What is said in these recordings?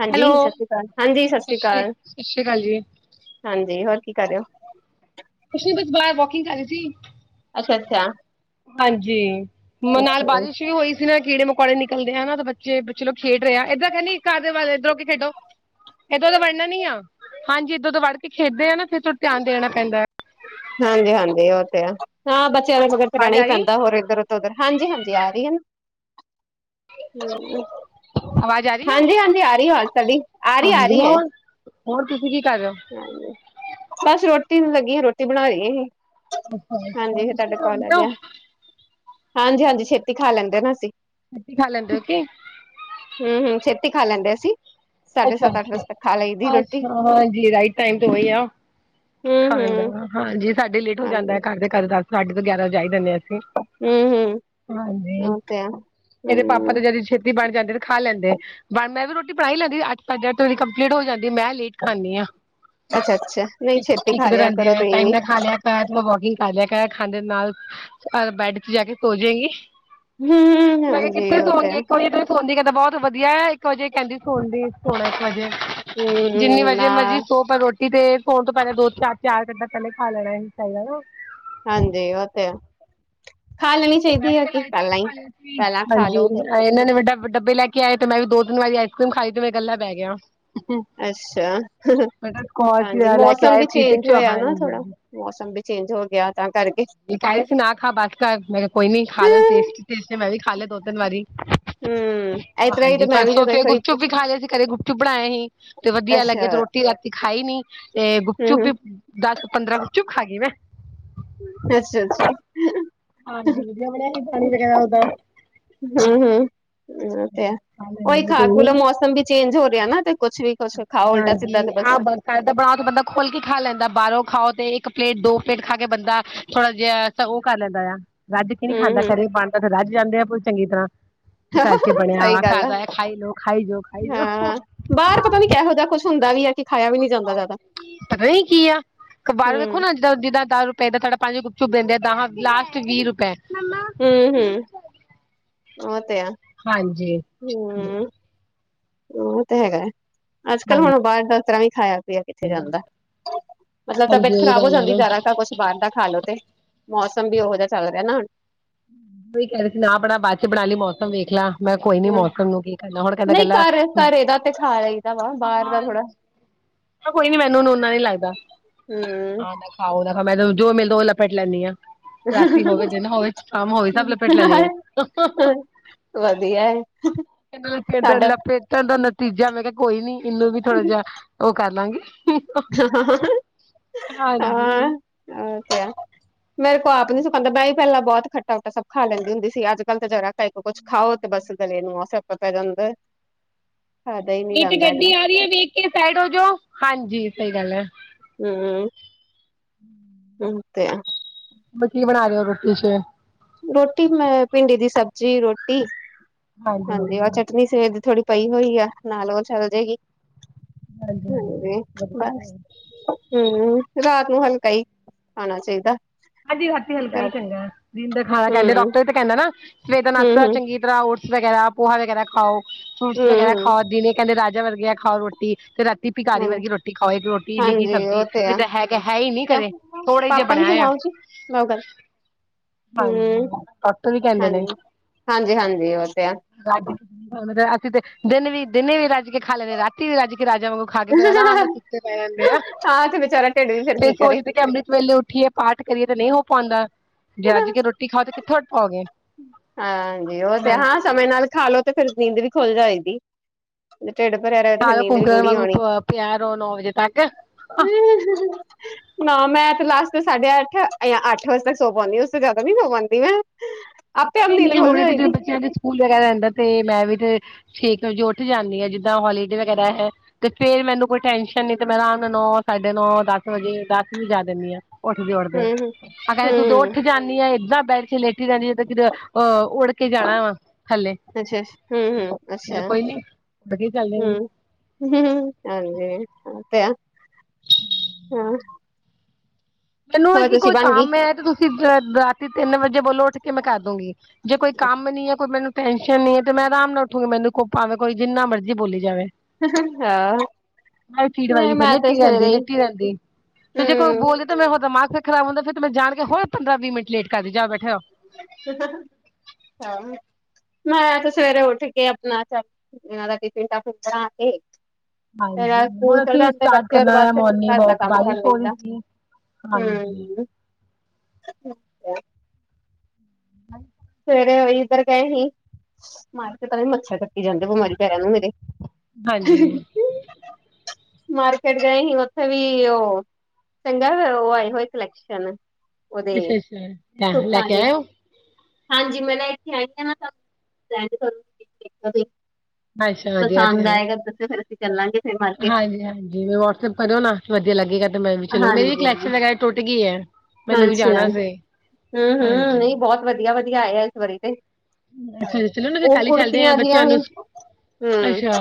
ਹਾਂਜੀ ਹੈਲੋ, ਸਤਿ ਸ਼੍ਰੀ ਅਕਾਲ, ਹਾਂਜੀ ਸਤਿ ਸ਼੍ਰੀ ਅਕਾਲ, ਸਤਿ ਸ਼੍ਰੀ ਅਕਾਲ ਜੀ। 'ਹਾਂਜੀ ਹੋਰ ਕੀ ਕਰ ਰਹੇ ਹੋ? ਕੁਛ ਨ ਬਸ ਬਾਹਰ ਵੋਕਿੰਗ ਕਰ ਰਹੀ ਸੀ। ਅੱਛਾ ਅੱਛਾ। ਹਾਂਜੀ ਨਾਲ ਅੱਛਾ ਬਾਰਿਸ਼ ਵੀ ਹੋਈ ਨਾ ਕੀੜੇ ਮਕੌੜੇ ਨਿਕਲਦੇ ਆ ਨਾ ਤਾਂ ਬੱਚੇ ਬੱਚੇ ਲੋਕ ਖੇਡ ਰਹੇ ਆ ਇੱਦਾਂ ਕਰ ਨੀ ਘਰ ਦੇ ਵੱਲ ਇੱਧਰੋਂ ਹੋ ਕੇ ਖੇਡੋ। ਏਦੋਂ ਦਾ ਵੜਨਾ ਨੀ ਆ, ਹਾਂਜੀ ਏਦੋਂ ਦਾ ਵੜ ਕੇ ਖੇਡਦੇ ਆ ਨਾ ਫੇਰ ਤੁੂੰ ਧਿਆਨ ਦੇਣਾ ਪੈਂਦਾ। ਹਾਂਜੀ ਹਾਂਜੀ ਉਹ ਤੇ ਆ ਹੈ, ਹਾਂ ਬੱਚਿਆਂ ਦਾ ਮਗਰ ਤੇ ਆਵਾਜ਼ ਰਹਿਣਾ ਆ ਹੀ ਰਹੀ ਪੈਂਦਾ ਹੋਰ ਇੱਧਰ ਉੱਧਰ ਹਾਂਜੀ ਹਾਂਜੀ ਆ ਰਹੀ ਨੇ ਐ। ਹੂੰ, ਆਵਾਜ਼ ਆ ਰਹੀ ਆ ਹਾਂਜੀ ਹਾਂਜੀ ਆ ਰਹੀ ਆਵਾਜ਼ ਤੁਹਾਡੀ ਆ ਰਹੀ ਐ ਆ ਹਾਂਜੀ ਰਹੀ ਐ। ਹੋਰ ਹੋਰ ਤੁਸੀਂ ਕੀ ਕਰ ਰਹੇ? ਹੋ ਹੈਲੋ, ਬਸ ਰੋਟੀ ਨੂੰ ਲੱਗੀ ਆ ਰੋਟੀ ਬਣਾ ਰਹੇ ਸੀ। ਅੱਛਾ ਹਾਂਜੀ, ਫਿਰ ਤੁਹਾਡੇ ਕੋਲ ਆ ਅੱਛਾ, ਗਿਆ। ਹਾਂਜੀ ਹਾਂਜੀ ਛੇਤੀ ਖਾ ਲੈਂਦੇ ਨਾ ਅਸੀਂ। ਛੇਤੀ ਖਾ ਲੈਂਦੇ ਓ ਕਿ? ਹੂੰ ਹੂੰ ਛੇਤੀ ਖਾ ਲੈਂਦੇ ਅਸੀਂ। ਸਾਢੇ ਅੱਛਾ ਸੱਤ ਅੱਠ ਅੱਛਾ, ਵਜੇ ਤੱਕ ਖਾ ਲਈ ਦੀ ਰੋਟੀ ਅੱਛਾ ਹਾਂਜੀ ਰਾਈਟ ਟਾਈਮ ਤੇ ਹੀ ਗਿਆ, ਹਮ ਖਾਣ ਦਾ ਹਮ ਹਾਂਜੀ ਸਾਡੇ ਲੇਟ ਹੋ ਜਾਂਦਾ ਹਾਂਜੀ ਆ ਘਰ ਦੇ ਕਰ ਦੱਸ -ਸਾਢੇ ਕੁ ਗਿਆਰਾਂ ਵਜਾਈ ਦਿੰਦੇ ਆ। ਅਸੀ, ਹਮ ਹਮ ਹਾਂਜੀ, ਉਹ ਤੇ ਆ ਇਹਦੇ ਹਮ ਪਾਪਾ ਤੇ ਜਲਦੀ ਛੇਤੀ ਬਣ ਜਾਂਦੇ ਤੇ ਖਾ ਲੈਂਦੇ, ਮੈਂ ਵੀ ਰੋਟੀ ਬਣਾਈ ਲੈਂਦੀ ਅੱਠ -ਸਾਡੇ ਅੱਠ ਵਜੇ ਕੰਪਲੀਟ ਹੋ ਜਾਂਦੀ ਮੈਂ ਲੇਟ ਖਾਂਦੀਆਂ, ਅੱਛਾ-ਅੱਛਾ ਨਹੀਂ ਛੇਤੀ ਖਾ ਚੀਕਦੇ ਲਿਆ ਰਹਿੰਦੇ ਕਰੋ ਐ ਤੁਸੀਂ ਟਾਈਮ ਵੀ ਨਾ ਖਾ ਲਿਆ ਕਰ ਵੋਕਿੰਗ ਕਰ ਲਿਆ ਕਰ, ਖਾਂਦੇ ਨਾਲ ਬੈਡ ਚ ਜਾ ਕੇ ਸੋਜੇਗੀ। ਹੂੰ ਮੈ ਕਿਆ ਹਾਂਜੀ ਕਿੱਥੇ ਉਹ ਤੇ ਸੋਵਾਗੀ ਹੈ। ਇੱਕ ਵਜੇ ਤੱਕ ਸੋਨਦੀ ਕਹਿੰਦਾ ਬਹੁਤ ਵਧੀਆ ਇਕ ਵਜੇ ਕਹਿੰਦੀ ਸੋਣ ਦੀ ਸੋਨਾ ਇੱਕ ਵਜੇ। ਜਿੰਨੀ ਹੂੰ ਨਾ ਵਜੇ ਮਰਜੀ਼ ਸੋ ਪਰ ਰੋਟ ਕਿਤੇ ਸੋਣ ਤੋਂ ਪਹਿਲਾਂ ਦੋ, ਚਾਰ- ਚਾਰ ਘੰਟਾ ਪਹਿਲਾਂ ਖਾ ਲੈਣਾ ਹੀ ਚਾਹੀਦਾ। ਹਾਂਜੀ, ਉਹ ਤੇ ਐ, ਖਾ ਲੈਣੀ ਚਾਹੀਦੀ ਹੈ ਕਿ ਪਹਿਲਾਂ ਈ ਪਹਿਲਾਂ ਖਾ ਹਾਂਜੀ ਲੋੋ ਫੇਰ ਇਹਨਾਂ ਨੇ ਵੱਡਾ- ਵੱਡਾ ਡੱਬੇ ਲੈ ਕੇ ਆਏ, ਤੇ ਮੈਂ ਵੀ ਦੋ- ਤਿੰਨ ਵਾਰੀ ਆਈਸ ਕਰ੍ਰਮ ਖਾਈ ਤੇ ਮੈਂ ਗਲਾ ਬੈਗਿਆ ਹੁਣ। ਅੱਛਾ, ਸਕੋਚ ਹਾਂਜੀ ਲੈ ਕੇ ਮੌਸਮ ਆਏ ਵੀ ਸੀ ਤੇ ਚੇਂਜ ਹੋਇਆ ਨਾ ਹਾਂਜੀ। ਥੋੜਾ ਮੌਸਮ ਵੀ ਚੇਂਜ ਹੋ ਗਿਆ। ਤਾਂ ਕਰਕੇ ਏ ਕਹਿ ਰਹੇ ਸੀ ਨਾ ਖਾ ਬਸ ਕਰ ਮੈਂ ਕਿਹਾ ਕੋਈ ਨੀ ਖਾ ਲੈਣਾ ਟੇਸਟੀ -ਟੇਸਟੀ ਮੈਂ ਵੀ ਖਾ ਲਿਆ ਦੋ- ਤਿੰਨ ਵਾਰੀ। ਹੂੰ ਇਸ ਤਰ੍ਹਾਂ ਹੀ ਤੇ ਹਾਂਜੀ ਮੈਂ ਵੀ ਪਰਸੋਂ ਜਦੋਂ ਫੇਰ ਇੱਕ ਗੁਪ ਵਾਰੀ ਚੁੱਪ ਵੀ ਖਾ ਲਿਆ ਅ ਸੀ ਘਰੇ ਗੁਪਚੂ ਬਣਾਏ ਸੀ। ਤੇ ਵਧੀਆ ਅੱਛਾ ਲੱਗੇਿਆ ਤੇ ਰੋਟੀ ਰਾਤੀ ਖਾਈ ਨੀ ਤੇ ਗੁਪਚੁਪ ਹੂੰ-ਹੂੰ ਵੀ ਦਸ ਪੰਦਰਾਂ ਗੁਪਚੁਪ ਖਾ ਗਈ ਮੈਂ ਅੱਛਾ-ਅੱਛਾ ਹਾਂਜੀ ਵਧੀਆ ਬਣਿਆ ਸੀ ਪਾਣੀ ਵਗੈਰਾ ਉਦਾ ਹੂੰ-ਹੂੰ ਓ ਤੇ ਹੈ ਖਾ ਉਹੀ ਲੈਂਦੇ ਖਾ ਕੋਈ ਖੁ ਨੀ ਲਵਾਂ ਮੌਸਮ ਵੀ ਚੇਂਜ ਹੋ ਰਿਆ ਨਾ ਤੇ ਕੁਛ ਵੀ ਕੁਛ ਖਾ ਉਲਟਾ ਸਿੱਧਾ ਤੇ ਬਸ ਹਜੇ ਤੇ ਬੰਦਾ ਖੁੱਲ ਕੇ ਖਾ ਲੈਂਦਾ ਬਾਰੋਂ ਖਾਓ ਤੇ ਇੱਕ ਪਲੇਟ ਦੋ ਪਲੇਟ ਖਾ ਕੇ ਬੰਦਾ ਥੋੜਾ ਜਿਹਾ ਤਾਂ ਉਹ ਕਰ ਲੈਂਦਾ ਆ ਰੱਜ ਕਿ ਨਈ ਖਾਂਦਾ ਹੂੰ-ਹੂੰ ਘਰੇ ਬਣਦਾ ਰੱਜ ਜਾਂਦੇ ਆ ਪ ਚੰਗੀ ਤਰ੍ਹਾਂ ਘਰ 'ਚ ਬਣਿਆ ਸਹੀ ਆ ਗੱਲ ਘਰ ਦਾ ਖਾਈ ਜਾਉ ਖਾਈ ਜਾਉ ਖਾਈ ਜਾਉ। ਬਾਰ ਪਤਾ ਵੀ ਕਿਹੋ ਜਿਹਾ ਕੁਛ ਹੁੰਦਾ ਵੀ ਹੈ। ਕਿ ਖਾਇਆ ਵੀ ਨੀ ਜਾਂਦਾ ਜ਼ਿਆਦਾ ਪਤਾ ਹੀ ਕੀ ਅਕਬਾਰ ਵੇਖੋ ਹੂੰ, ਨਾ ਅੱਜ ਜਿੱਦਾਂ ਦਸ ਰੁਪਏ ਤੁਡਾ ਪੰਜ ਗੁੱਪ ਚੂ ਦਿੰਦੇ ਆ ਦਾਂ ਲਾਸਟ ਵੀਹ ਰੁਪਏ। ਹੂੰ ਹੂੰ ਓ ਤੇ ਐ। ਹਾਂਜੀ ਹੋਰ ਤੇ ਓ ਤੇ ਹੈਗਾ ਅੱਜ ਕੱਲ੍ਹ ਹਾਂਜੀ ਹੁਣ ਬਾਰ ਦ ਤਰ੍ਹਾਂ ਨਈ ਖਾਇਆ। ਰਿਆ ਕਿੱਥੇ ਜਾਂਦਾ ਮਤਲਬ ਤਬੀਅਤ ਉਹੀ ਖ਼ਰਾਬ ਹੋ ਗੱਲ ਹੈ ਜਾਂਦੀ ਨਾ ਜਾਦਾ ਕ ਕੁੱਛ ਬਾਰ ਦਾ ਖਾ ਲੋੋ ਤੇ ਮੌਸਮ ਵੀ ਉਹੋ ਜਿਹਾ ਚੱਲ ਰਿਆ ਨਾ ਹੁਣ ਈ ਕਹਿ ਸੀ ਨਾ ਬਣਾ ਬਾਦ 'ਚ ਬਣਾ ਲਈ ਮੌਸਮ ਵੇਖ ਲਾ। ਮੈਂ ਕੋਈ ਨੀ ਹੂੰ ਮੌਸਮ ਨੂੰ ਕੀ ਕਰਨਾ ਹੁਣ ਕੈਂਦਾ ਨਹੀਂ ਗਲਾ ਘਰ ਘਰੇ ਦਾ ਤੇ ਖਾ ਲਈਦਾ ਵਾ ਬਾਹਰ ਦਾ ਥੋੜਾ ਹਾਂ ਕੋਈ ਨੀ ਮੈਨੂੰ ਨੂਨਾ ਨੀ ਲੱਗਦਾ। ਹੂੰ ਖਾ ਉਹਦਾ ਮੈਂ ਜੋ ਮਿਲਦਾ ਉਹ ਲਪੇਟ ਲੈਂਣੀ ਆਂ ਰਾਤੀ ਹੋਵੇ ਦਿਨ ਹੋਵੇ ਸ਼ਾਮ ਹੋਵੇ। ਡਬਲ ਪੇਟ ਲੈਨੀ ਐ। ਵਧੀਆ ਐ। ਇਹ ਲਪੇਟਾਂ ਦਾ ਨਤੀਜਾ ਮੈਂ ਕਿਆ ਕੋਈ ਨੀ ਇਹਨੂੰ ਵੀ ਥੋੜਾ ਜਿਹਾ ਓ ਕਰ ਲਾਂਗੇ। ਨਹੀਂ ਹਾਂ ਹੋਰ ਕਿਆ। ਮੇਰੇ ਕੋ ਆਪ ਨੀ ਸੁਕਾਂਦਾ ਮੈਂ ਪੈਲਾ ਬੋਤ ਖੱਟਾ ਖੱਟਾ ਸਭ ਖਾ ਲੈਂਦੀ ਹੁੰਦੀ ਸੀ ਅੱਜੱਕਲ ਤਾਂ ਜਰਾ ਟੈਪ ਕੁਛ ਖਾਓ ਤੇ ਬੱਸ ਗਲੇ ਨੂੰ ਆ ਸਿਆਪਾ ਪੈ ਜਾਂਦਾ। ਖਾਦਾ ਹੀ ਨੀ ਇਹ ਤੇ ਜਾਂਦਾ ਗੱਡੀ ਇਕਦਮ ਆ ਰਈ ਐ ਵੇਖ ਕੇ ਸਾਈਡ ਹੋ ਜਾਓ ਹਾਂਜੀ ਸਈ ਗੱਲ ਹੈ। ਹੂੰ ਓ ਤੇ ਹੈ। ਬਟੀ ਬਣਾ ਰਏਓ ਰੋਟੀ ਸੇ ਰੋਟੀ ਮੈਂ ਭਿੰਡੀ ਦੀ ਸਬਜ਼ੀ ਰੋਟੀ ਹਾਂਜੀ ਔਰ ਚਟਨੀ ਸਵੇਰ ਦੀ ਥੋੜ੍ਹੀ ਪਈ ਹੋਈ ਆ ਨਾਲ ਓ ਚੱਲ ਜਾਏਗੀ ਹਾਂਜੀ ਬਸ ਹੂੰ ਰਾਤ ਨੂੰ ਹਲਕਾ ਹੀ ਖਾਣਾ ਚਾਹੀਦਾ। ਹਾਂਜੀ ਰਾਤੀ ਹਲਕਾ ਹੀ ਚੰਗਾ ਦਿਨ ਦਾ ਖਾਣਾ ਕੈਂਦੇ ਹਮ ਡਾਕਟਰ ਤੇ ਕੈਂਦਾ ਨਾ ਸਵੇਰ ਦਾ ਹਮ ਨਾਸਤਾ ਚੰਗੀ ਤਰ੍ਹਾਂ ਵਗੈਰਾ ਪੋਹਾ ਵਗੈਰਾ ਖਾਓ ਫਰੂਟਸ ਹਮ ਵਗੈਰਾ ਹਮ ਖਾਓ ਦਿਨ ਕੈਂਦੇ ਰਾਜਾ ਵਰਗ ਖਾਓ ਰੋਟੀ ਤੇ ਰਾ ਪਿਖਾਰੀ ਹਮ ਵਰਗੀ ਰੋਟੀ ਖਾਓ ਇਕ ਰੋਟੀ ਨੀ ਕੀ ਹਾਂਜੀ ਸਬਜ਼ੀ ਉਹ ਤੇ ਆ ਜਿੱਦਾਂ ਹੈ ਹੈ ਹੀ ਨੀ ਕਦੇ ਥੋੜੇ ਜਿਹੇ ਬਣਾਏ ਆ। ਨਾ ਗਲ ਹਾਂਜੀ ਹੂੰ ਡਾਕਟਰ ਵੀ ਕਹਿੰਦੇ ਨੇ ਹਾਂਜੀ-ਹਾਂਜੀ-ਹਾਂਜੀ ਓ ਤੇ ਐ। ਰੱਜ ਅਸੀਂ ਤੇ ਦਿਨ ਵੀ ਦਿਨੇ ਵੀ ਰਜ ਰੱਜ ਕੇ ਖਾ ਲੈਂਦੇ ਰਾਤੀ ਰਜ ਕੇ ਰਾਜਿਆਂ ਵਾਂਗ ਖਾ ਕੇ ਆਰਾਮ ਨਾਲ ਸੁੱਤੇ ਪਏ ਰੈਂਦੇ ਆਂ। ਚਾਰਾ ਢੇਡ ਵੀ ਫੇਰ ਕੀ ਕਰੇ ਸਵੇਲੇ ਉੱਠੀਏ ਪਾਠ ਕਰੀਏ ਤੇ ਨਹੀਂ ਹੋ ਪਾਂਦਾ ਜੇ ਅੱਜ ਕੇ ਰੋਟੀ ਖਾਓ ਤੇ ਕਿੱਥੋਂ ਉੱਠ ਪਾਓਗੇ ਹਾਂਜੀ ਓ ਤੇ ਹਾਂ ਹਾਂਜੀ ਸਮੇਂ ਨਾਲ ਖਾਾਲੋ ਤੇ ਫੇਰ ਨੀਂਦ ਵੀ ਖੁੱਲ ਜਾਏਗੀ। ਜੇ ਟੇਡ ਪਰੇਆ ਰੇਆ ਫਿਰ ਸਾਰਾ ਨੀਂਦ ਵੀ ਕੁਕਰ ਗੁੜੀ ਵਾਂਗੂ ਆਣੀ। ਪਿਆ ਰਹੋ ਨੌ ਵਜੇ ਤੱਕ ਨਾ ਮੈਂ ਤੇ ਲਾਸਟ ਸਾਢੇ ਅੱਠ ਯਾਂ ਅੱਠ ਵਜੇ ਤੱਕ ਸੌ ਪਾਦੀ ਉਸ ਤੋਂ ਜਾਦਾ ਨੀ ਸੌ ਪਾਂਦੀ ਮੈਂ। ਆਪੇ ਆਪ ਨੀਂਦ ਨਈ-ਨਈ ਖੁੱਲ ਹੁਣੇ ਤੇ ਜ ਜਾਏਗੀ ਬੱਚਿਆਂ ਦੇ ਸਕੂਲ ਵਗੈਰਾ ਹੁੰਦਾ ਤੇ ਮੈਂ ਵੀ ਤੇ ਛੇ ਕ ਵਜੇ ਉੱਠ ਜਾਂਣੀ ਆ ਜਿੱਦਾਂ ਹੋਲੀਡੇ ਵਗੈਰਾ ਹੈ੍। ਤੇ ਫੇਰ ਮੈਨੂੰ ਕੋਈ ਟੈਨਸ਼ਨ ਨੀ ਤੇ ਮੈਂ ਆਰਾਮ ਨਾਲ ਨੌ-ਸਾਡੇ ਨੌ-ਦਸ ਵਜੇ ਦਾਸ ਵੀ ਵਜਾ ਦਿੰਣੀ ਆ। ਉੱਠਦੇ-ਉਠਦੇ ਹੂੰ ਆਹ ਕਹਿੰਦੇ ਹੂੰ ਤੂੰ ਦੋ ਹੂੰ ਉੱਠ ਜਾਂਣੀ ਆ ਏਦਾਂ ਬੈੱਡ ਤੇ ਲੇਟੀ ਰੈਣੀ ਆ ਫ ਅਹ ਉੱੜ ਕੇ ਜਾਣਾ ਵਾ ਥੱਲੇ। ਅੱਛਾ। ਹੂੰ ਹੂੰ ਚਲੋ ਅੱਛਾ ਕੋਈ ਨੀ ਵਧੀਆ ਚੱਲ ਜਾਂਗੇ। ਹੂੰ ਹਾਂਜੀ ਓ ਤੇ ਆ ਹਾਂ ਮੈਨੂੰ ਏ ਹੈ ਹੋਰ ਕਿ ਤੁਸੀਂ ਕੋਈ ਬਣ ਗਈ ਕੰਮ ਐ ਤੇ ਤੁਸੀਂ ਰਾਤੀ ਤਿੰਨ ਵਜੇ ਬੋਲੋ ਉੱਠ ਕੇ ਮੈਂ ਕਰ ਦੂੰਗੀ। ਜੇ ਕੋਈ ਕੰਮ ਨੀ ਐ ਕੋਈ ਮੈਨੂੰ- ਟੈਨਸ਼ਨ ਨੀ ਐ ਤੇ ਮੈਂ ਆਰਾਮ ਨਾਲ ਉੱਠੂੰਗੀ ਮੈਨੂੰ ਪਾਵੇ ਕੋਈ ਜਿੰਨਾ ਮਰਜ਼ੀ ਬੋਲੀ ਜਾਵੇ। ਹਾਂ ਮੈਂ ਵੀ ਟੀਠ ਨਹੀਂ ਹੈਗੀ ਫੇਰ ਮੈਂ ਤੇ ਲੇਟੀ ਸਵੇਰੇ ਹੀ ਰਹਿੰਦੀ-ਲੇਟੀ ਰਹਿੰਦੀ ਫਿਰ ਜੇ ਕੋਈ ਬੋਲਦੇ ਤੇ ਮੈ ਉਹ ਦ ਦਿਮਾਗ਼ ਖਰਾਬ ਹੁੰਦਾ ਫਿਰ ਮੈਂ ਜਾ ਕੇ ਹੋਰ ਪੰਦਰਾਂ-ਵੀਹ ਮਿੰਟ ਲੇਟ ਕਰਦੀ ਜਾ ਬੈਠੇ ਰੋ। ਤੇ ਫਿਰ ਫੈਮਿਲੀ ਮੈਂ ਤੇ ਸਵੇਰੇ ਉੱਠ ਕੇ ਆਪਣਾ ਚ ਤੇ ਏਨਾਂ ਦਾ ਟਿਫਿਨ-ਟਾਫਿਨ ਬਣਾ ਕੇ ਫੇਰ ਇਹ ਹਾਂਜੀ ਸਕੂਲ ਹੁਣ ਚਲੇ ਅਸੀਂ ਜਾਂਦੇ ਸਟਾਰਟ ਬੱਚੇ ਉਹਦੇ ਕਰਨਾ ਬਾਅਦ ਐ ਫਿਰ ਮੋਰਨਿੰਗ ਘਰ ਦਾ ਵੋਕ ਕੰਮ ਬਾਰਿਸ਼ ਕਰ ਹੋ ਰੀ ਲਈਦਾ ਸੀ ਹਾਂਜੀ। ਹੂੰ [unintelligible] ਹਾਂ ਸਵੇਰੇ ਅ ਇੱਧਰ ਗਏ ਸੀ ਮਾਰ ਕੇ ਤਾਂ ਵੀ ਮੱਛਰ ਕੱਟੀ ਜਾਂਦੇ ਬਿਮਾਰੀ ਪੈਰਾ ਨੂੰ ਮੇਰੇ ਹਾਂਜੀ। ਮਾਰਕੀਟ ਗਏ ਹੀ ਓਥੇ ਵੀ ਓ ਚੰਗਾ ਓ ਆਏ ਹੋਏ ਕਲੈਕਸ਼ਨ ਓਦੇ ਅੱਛਾ-ਅੱਛਾ ਲੈ ਸੂਟਾਂ ਕੇ ਦੇ ਆਏ ਹੋ ਹਾਂਜੀ ਮੈਂ ਨਾ ਇੱਥੇ ਆਈ ਹਾਂ ਨਾ [unintelligible] ਅੱਛਾ ਵਧੀਆ ਤੇ ਆਏ- ਦੱਸੋ ਫਿਰ ਅਸੀਂ ਚੱਲਾਂਗੇ ਫਿਰ ਮਾ ਹਾਂਜੀ-ਹਾਂਜੀ ਮੈ ਵਟਸਐਪ ਕਰਿਓ ਨਾ ਵਧੀਆ ਲੱਗੇਗਾ ਤੇ ਮੈਂ ਵੀ ਚਲੋ ਮੇਰੀ ਵੀ ਹਾਂਜੀ ਕਲੈਕਸ਼ਨ ਵਗੈਰਾ ਟੁੱਟ ਗੀ ਐ ਮੈਨੂੰ ਵੀ ਜਾਣਾ ਫੇਰ ਹੂੰ-ਹੂੰ ਨਹੀਂ ਬੋਹਤ ਵਧੀਆ-ਵਧੀਆ ਆਯੇ ਐਸ ਵਾਰੀ ਤੇ ਅੱਛਾ ਜੀ ਚਲੋ ਨਾ ਫਿਰ ਓ ਕੱਲ ਹੀ ਚੱਲਦੇ ਆ ਕੁੜਤੀਆਂ ਦੀਆਂ ਦੀਆਂ ਬੱਚਿਆਂ ਨੂੰ ਹੂੰ ਅੱਛਾ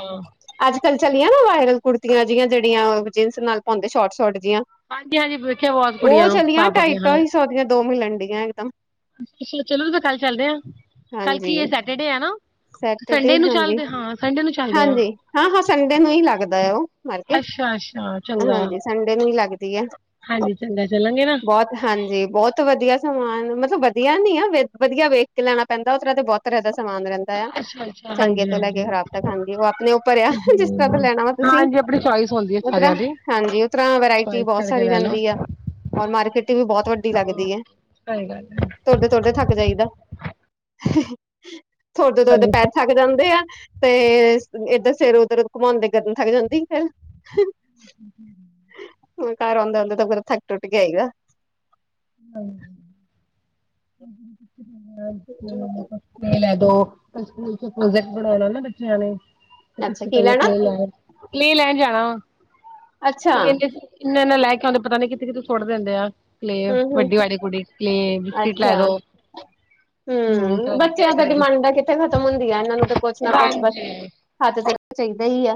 ਅੱਜ-ਕੱਲ੍ਹ ਚਲੀਆਂ ਨਾ ਵਾਇਰਲ ਕੁੜਤੀਆਂ ਜਿਆਂ ਜਿਹੜੀਆਂ ਜੀਨਸ ਨਾਲ ਪਾਉਂਦੇ ਸ਼ੋਰਟ-ਸ਼ੋਰਟ ਜੀਆਂ। ਹਾਂਜੀ ਹਾਂਜੀ ਵੇਖਿਆ ਬਹੁਤ ਕੁੜੀਆਂ ਉਹ ਨੂੰ ਚਲੀਆਂ ਪਾ ਪਾ ਕੇ ਹਾਂ ਢਾਈ-ਢਾਈ ਸੌਦੀਆਂ ਦੋ ਮਿਲਣ ਡੀਆਂ ਇਕਦਮ। ਅੱਛਾ ਚਲੋ ਮ ਕੱਲ ਚੱਲਦੇ ਹਾਾਂ ਕੱਲ ਹਾਂਜੀ ਕੀ ਏ ਸੈਟਰਡੇ ਏ ਨਾ। ਸੰਡੇ ਸੈਟਰਡੇ ਨੂੰ ਚੱਲਦੇ ਹਾਂ ਸੰਡੇ ਨੂੰ ਚਾੱਲਦੇ ਆ। ਹਾਂ-ਹਾਂ ਸੰਡੇ ਨੂੰ ਹੀ ਲੱਗਦਾ ਓ। ਮਾਰਕਿਟ ਅੱਛਾ ਅੱਛਾ ਚੰਗਾ ਹਾਂਜੀ ਸੰਡੇ ਨੂੰ ਈ ਲੱਗਦੀ ਐ ਹਾਂਜੀ ਚੰਗਾ ਚੱਲਾਂਗੇ ਨਾ ਬੋਤ। ਹਾਂਜੀ ਬੋਹਤ ਵਧੀਆ ਸਮਾਨ ਮਤਲਬ ਵਧੀਆ ਨੀ ਆ ਵਧੀਆ ਵੇਖ ਕੇ ਲੈਣਾ ਪੈਂਦਾ ਓਤਰ੍ਹਾਂ ਦੇ ਬੋ ਤਰ੍ਹਾਂ ਦਾ ਸਮਾਨ ਰੈਂਦਾ। ਅੱਛਾ ਅੱਛਾ ਚੰਗੇ ਹਾਂਜੀ ਤੋਂ ਲੈ ਕੇ ਹਾਂਜੀ ਖਰਾਬ ਤੱਕ ਹਾਂਜੀ ਉਹ ਆਪਣੇ ਉੱਪਰ ਆ ਜਿਸ ਤਰ੍ਹਾਂ ਤਾਂ ਲੈਣਾ ਵਾ। ਤੁਸੀਂ ਹਾਂਜੀ ਆਪਣੀ ਚੋਇਸ ਹੁੰਦੀ ਹੈ ਉ ਤਰਾਂ ਸਾਰਿਆਂ ਦੀ ਹਾਂਜੀ ਓ ਤਰਾਂ ਵਰਾਇਟੀ ਚੋਇਸ ਬੋਹਤ ਕਰਕੇ ਸਾਰੀ ਲੈ ਲਓ ਰੈੰਦੀ ਆ। ਔਰ ਮਾਰਕੀਟ ਵੀ ਬਹੁਤ ਵੱਡੀ ਲੱਗਦੀ ਐ। ਸਹੀ ਗੱਲ ਏ। ਤੁਰਦੇ- ਤੁਰਦੇ ਥੱਕ ਜਾਈਦਾ, ਤੁਰਦੇ-ਤੁਰਦੇ ਹਾਂਜੀ ਪੈਰ ਥੱਕ ਜਾਂਦੇ ਆ, ਤੇ ਇਧਰ ਸਿਰ ਉੱਧਰ ਘੁਮਾਉਦੇ ਗਰਦਨ ਥੱਕ ਜਾਂਦੀ ਐ। ਹੂੰ ਹੂੰ ਹੂ ਹੂ ਜਦੋਂ ਘਰ ਆਉਂਦੇ -ਆਉਂਦੇ ਤੇ ਫੇਰ ਥੱਕ ਟੁੱਟ ਕੇ ਆਈਦਾ। ਹੂੰ ਹੋਰ ਤੁਸੀਂ ਦੱਸੋ। ਮੰਮਾ ਲੈ ਦੋ, ਸਕੂਲ ਚ ਪ੍ਰੋਜੈਕਟ ਬਣਾਉਣਾ ਨਾ ਬੱਚਿਆਂ ਨੇ ਅੱਛਾ ਪਿੱਛੇ ਪਤਾ ਨੀ ਕੀ ਲੈਣਾ ਲੈਣ, ਨੀ ਲੈਣ ਜਾਣਾ, ਅੱਛਾ ਤੂੰ ਕਹਿੰਦੇ ਸੀ। ਇੰਨਾ- ਇੰਨਾ ਲੈ ਕੇ ਆਉਂਦੇ ਪਤਾ ਨਹੀਂ ਕਿੱਥੇ- ਕਿੱਥੇ ਸੁੱਟ ਦਿੰਦੇ ਐ ਕਲੇ। ਹੂੰ ਹੂੰ ਵੱਡੀ ਵਾਲੀ ਕੁੜੀ ਸੀ ਬਿਸਕਿਟ ਲੈ ਅੱਛਾ ਦੋ। ਹਮ ਪਤਾ ਹੂੰ ਨੀ ਬੱਚਿਆਂ ਕਿਹੜੇ ਦਾ ਕਿਹੜੇ ਬਿਸ ਡਿਮਾਂਡਾਂ ਕਿੱਥੇ ਖਤਮ ਹੁੰਦੀ ਹੈ ਇਹਨਾਂ ਨੂੰ ਤੇ ਕੁਛ ਨਾ ਕੁਛ ਬਸ ਹਾਂਜੀ ਹਾਂ ਤੇ ਫੇਰ ਚਾਹੀਦਾ ਈ ਐ।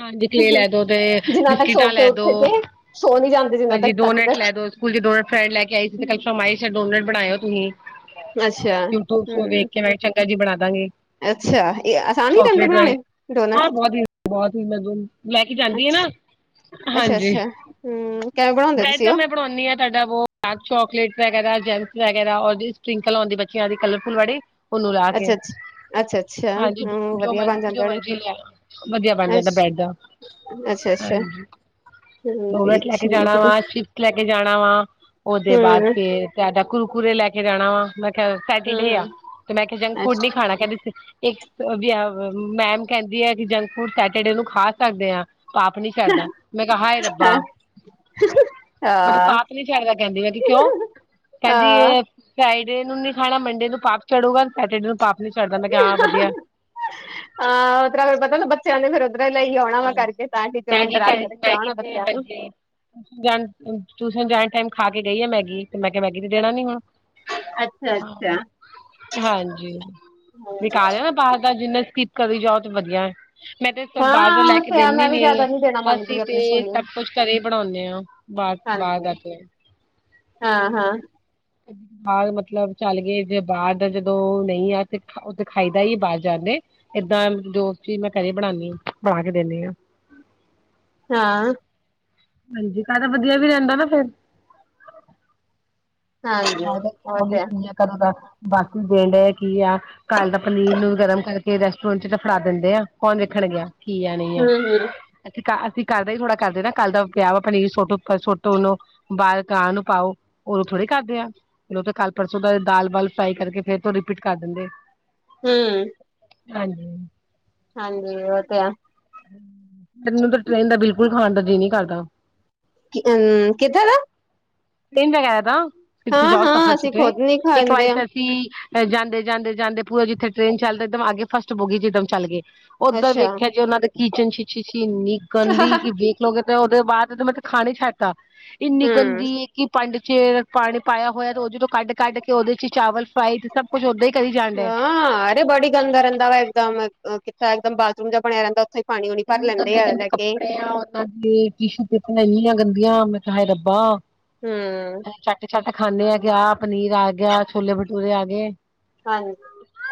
ਹਾਂਜੀ ਕਲੇ ਲੈ ਦੋ ਗੇਤੇ ਤੱਕ ਸੋ ਬਿਸਕਿਟਾਂ ਕੇ ਲੈ ਦੋ, ਉੱਠ ਕੇ ਸੋ ਨਹੀਂ ਜਾਂਦੇ ਜਿੰਨਾ ਹਾਜੀ ਤੱਕ ਤਦ ਦੋਨਟ ਤੱਕ ਲੈ ਦੋ। ਸਕੂਲ ਡੋਨਟ ਫੈਡ ਲੈ ਕੇ ਆਈ ਸੀ ਤੇ ਕੱਲ ਫਰਮਾਈਸ ਡੋਨਟ ਬਣਾਇਓ ਤੁਸੀਂ। ਅੱਛਾ ਯੂਟਊਬ ਚ ਹਮ ਵੇਖ ਕੇ ਮੈਂ ਚੰਗਾ ਜੀ ਬਣਾ ਦਾਂਗੀ। ਅੱਛਾ ਇਹ ਅਸਾਨ ਰਹਿੰਦੇ ਬਣਾਉਣੇ ਡੋਨਟਸ? ਹਾਂ ਬਹੁਤ [unintelligible] ਲੈ ਕੇ ਜਾਂਦੀ ਆ ਨਾ ਅੱਛਾ ਅੱਛਾ ਹਾਂਜੀ ਅੱਛਾ ਹਮ ਕਿਵੇਂ ਬਣਾਉਂਦੇ ਬ੍ਰੈਡ ਤੁਸੀਂ ਦਾ ਉਹ ਮੈਂ ਪਾਉਦੀ ਆ ਤੁਹਾਡਾ ਵੋ ਡਾਰ ਚੋਕਲੇਟ ਵਗੈਰਾ ਜੈਂਮਸ ਵਗੈਰਾ ਔਰ ਸਪ੍ਰਿੰਕਲ ਆਉਂਦੀ ਬੱਚਿਆਂ ਦੀ ਕਲਰਫੁਲ ਵਾਲੀ ਉਹਨੂੰ ਲਾਹ ਕੇ, ਅੱਛਾ ਅੱਛਾ ਅੱਛਾ ਅੱਛਾ ਹਾਂਜੀ ਹਮ ਜੋ ਵਧੀਆ ਮਰ ਬਣ ਜਾਂਦੇ ਜੋ ਹੋਣੇ ਮਰਜੀ ਲਿਆ ਓ। ਵਧੀਆ ਬਣ ਜਾਂਦਾ ਬੈਡ ਅੱਛਾ ਦਾ, ਅੱਛਾ ਅੱਛਾ ਹਾਂਜੀ। ਹਮ ਜੀ ਡੋਨਟ ਲੈ ਕੇ ਠੀਕ ਜਾਣਾ ਤੇ ਵਾ, ਸ਼ਿਪਸ ਲੈ ਕੇ ਜਾਣਾ ਵਾ, ਉਹਦੇ ਬਾਅਦ ਹਮ ਫੇ ਤੇ ਤੁਆਡਾ ਕੁਰੂਕੁਰਰੇ ਲੈ ਕੇ ਜਾਣਾ ਵਾ ਮੈਂ ਥਰਡ ਹਮ ਸੈਟਰਡੇ ਆ ਹਮ ਤੇ ਮੈਂ ਕਿਹਾ ਜੰਕ ਫੂਡ ਨੀ ਅੱਛਾ ਖਾਣਾ ਕਹਿੰਦੀ ਇੱਕ ਵਧੀਆ ਓ, ਮੈਮ ਕਹਿੰਦੀ ਐ ਕਿ ਜੰਕ ਫੂਡ ਸੈਟਰਡੇ ਨੂੰ ਖਾ ਸਕਦੇ ਹਾਂ। ਪਾਪ ਨਹੀਂ ਚੜਦਾ, ਮੈਂ ਕਿਆ ਹੈਏ ਹਾਂ ਰੱਬਾ। ਮੈਂਨੂੰ ਹਾਂ ਪਾਪ ਨੀ ਚੜਦਾ ਕਹਿੰਦੀ, ਮੈਂ ਕਿਉਂ, ਕਹਿੰਦੀ ਏ ਫਰਾਈਡੇ ਨੂੰ ਨੀ ਖਾਣਾ ਮੰਡੇ ਨੂੰ ਪਾਪ ਚੜੂਗਾ ਸੈਟਰਡੇ ਨੂੰ ਪਾਪ ਨੀ ਚੜ੍ਹਦਾ ਮੈਂ ਕਿਹਾ ਹਾਂ ਵਧੀਆ। ਆ ਉਹ ਤਾਹੀ ਫਿਰ ਪਤਾ ਨਾ ਬੱਚਿਆਂ ਦੇ ਫਿਰ ਉਧਰੇ ਲਈ ਆਉਣਾ ਵਾ ਹਾਂਜੀ ਕਰਕੇ ਤਾਂ ਹੀ ਬੱਚਿਆ ਮੈਗੀ ਡਰਾ ਕੇ ਰੱਖਿਆ ਹੋਣਾ ਬੱਚਿਆਂ ਨੂੰ। ਟਿਊਸ਼ਨ ਜਾਣ, ਟਿਊਸ਼ਨ ਜਾਣ ਟਾਈਮ ਖਾ ਕੇ ਗਈ ਆ ਮੈਗੀ। ਤੇ ਮੈਂ ਕਿਹਾ ਮੈਗੀ ਤੇ ਦੇਣਾ ਨੀ ਹੁਣ, ਅੱਛਾ ਅੱਛਾ ਹੂੰ - ਹਾਂਜੀ। ਦੇਖ ਆਗਿਆ ਨਾ ਬਾਹਰ। ਤਾਂ ਜਿੰਨਾ ਸਕਿਪ ਕਰੀ ਜਾਓ ਤੇ ਵਧੀਆ, ਮੈਂ ਤੇ ਬਾਹਰੋਂ ਹਾਂ ਲੈ ਕੇ ਉੱਥੇ ਆ ਦਿੰਦੇ ਮੈਂ ਵੀ ਨੀ, ਜਿਆਦਾ ਦੇਣਾ ਮੰਗਦੀ ਅਸੀਂ ਤੇ ਆਪਣੀ ਕੁੜੀ ਨੂੰ ਸਭ ਕੁੱਛ ਘਰੇ ਹੀ ਬਣਾਣੇ ਆ। ਬੋਤ ਬਾਹਰ ਹਾਂਜੀ ਦਾ ਤੇ ਹਾਂ ਹਾਂ। ਬਾਹਰ ਮਤਲਬ ਚੱਲ ਗਏ ਜੇ ਬਾਹਰ ਦਾ ਜਦੋਂ ਨਹੀਂ ਆ ਤੇ ਉਹ ਤੇ ਖਾਈਦਾ ਹੀ ਬਾਹਰ ਜਾਂਦੇ। ਏਦਾਂ ਦੋਸਤ ਦੀ ਮਿਠਾਈ ਬਣਾਣੀ ਆ ਬਣਾ ਕੇ ਦਿੰਦੀ ਆ। ਹਾਂ ਹਾਂਜੀ ਖਾਕੇ ਵਧੀਆ ਵੀ ਰਹਿੰਦਾ ਨਾ ਫੇਰ। ਹਾਂਜੀ ਮੈ ਤੇ ਉਹ ਖਾ ਲਿਆ ਤੇ ਹੈ ਕਿੰਨੀਆਂ ਘਰੋਂ ਦਾ ਬਾਕੀ ਦੇਣ ਡੇ ਕੀ ਆ। ਕੱਲ ਦਾ ਪਨੀਰ ਨੂੰ ਗਰਮ ਕਰਕੇ ਰੈਸਟੋਰੈਂਟ ਚ ਫੜਾ ਦਿੰਦੇ ਆ ਕੌਣ ਵੇਖਣ ਗਿਆ। ਕੀ ਐ ਨੀ ਐ। ਹਮ ਹਮ ਅਸੀਂ ਘਰ ਦਾ ਈ ਥੋੜਾ ਕਰਦੇ ਨਾ ਕੱਲ ਦਾ ਪਿਆ ਵਾ ਪਨੀਰ ਸੋਟੋ, ਸੋਟੋ ਉਨੂੰ ਬਾਲ ਕਾਂ ਨੂੰ ਪਾਓ ੳਦੋ ਥੋੜੀ ਕਰਦੇ ਆ ਓ ਤੇ ਕੱਲ ਪਰਸੋਂ ਦਾ ਦਾਲ ਵਾਲ ਫਰਾਈ ਕਰਕੇ ਫੇਰ ਤੋ ਰਿਪੀਟ ਕਰ ਦਿੰਦੇ। ਹੁੰ ਹਾਂਜੀ ਹਾਂਜੀ ਓ ਤੇ ਐ ਤੈਨੂੰ ਤੇ ਟ੍ਰੇਨ ਦਾ ਬਿਲਕੁੱਲ ਖਾਣ ਦਾ ਜੀਅ ਨੀ ਕਰਦਾ। ਹਮ [unintelligible] ਕਿਥੇ ਦਾ ਟ੍ਰੇਨ ਤੇ [unintelligible] ਕਿੱਥੇ ਹਾਂ ਜਾਓ ਸਫ਼ਰ ਹਾਂ ਚ ਅਸੀਂ ਤੇ ਖੁਦ ਨੀ ਇੱਕ ਵਾਰੀ ਖਾਂਦੇ ਆ ਤੇ ਕਿ ਜਾਂਦੇ, ਜਾਂਦੇ, ਜਾਂਦੇ ਪੂਰਾ ਜਿੱਥੇ ਟ੍ਰੇਨ ਚੱਲਦਾ ਏਕ ਦਮ ਆਗੇ ਫਸਟ ਬੋਗੀ ਜਿੱਦਮ ਚੱਲ ਗਏ ਓਧਰ ਅੱਛਾ ਵੇਖਿਆ ਜੇ ਓਨਾਂ ਦੇ ਕਿਚਨ ਚ ਸ਼ਿਸ਼ੀ ਇੰਨੀ ਗੰਦੀ ਕਿ ਵਖ ਲਗੇ ਤੇ ਓਦੇ ਬਾਅਦ ਤ ਮੈਂ ਤੇ ਖਾਣਾ ਈ ਛੱਡਤਾ ਇੰਨੀ ਹਮ ਗੱਦੀ ਐ ਕਿ ਪੰਡ ਚ ਪਾਣੀ ਪਾਇਆ ਹੋਇਆ ਤੇ ਉਹਦੇ ਚੋ ਕੱਢ, ਕੱਢ ਕੇ ਉਹਦੇ ਚੀ ਚਾਵਲ ਫਰਾਈਡ ਸਬ ਕੁਛ ਓਦਾਂ ਈ ਕਰੀਜਾ ਆਂ, ਅਰੇ ਬੜੀ ਗੰਦਾ ਰੈਂਦਾ ਵਾ ਇੱਕ ਦਮ ਕਿੱਥਾਂ ਇੱਕ ਦਮ ਬਾਥਰੂਮ ਜੇਆ ਬਣਿਆ ਰੈਂਦਾ ਓਥੇ ਈ। ਪਾਣੀ ਉਣੀ ਭਰ ਲੈਂਦੇ ਆ ਲੈ ਕੇ ਅੱਗੇ ਟਿਸ਼ੂਪੇਪਰਾਂ ਇੰਨੀਆਂ ਗੰਦੀਆਂ ਮੈਂ ਕਿਆ ਹਾਏ ਰੱਬਾ। ਹੁੰ ਚੱਟ, ਸ਼ੱਟ ਖਾਨੇ ਆ ਕਿ ਆਹ ਪਨੀਰ ਆ ਗਿਆ, ਛੋਲੇ ਭੱਟੂਰੇ ਆ ਗਏ। ਹਾਂਜੀ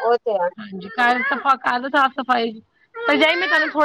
ਓ ਤੇ ਹੈ ਕੱਲ ਸਫ਼ਾ ਕੱਲ ਸਾਫ਼ ਸਫ਼ਾਈ ਪਰਜਾਈ ਮੈਂ ਤਾਨੂੰ ਥੋੜੀ ਦ